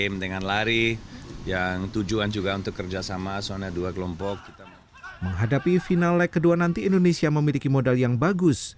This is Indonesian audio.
menghadapi final leg kedua nanti indonesia memiliki modal yang bagus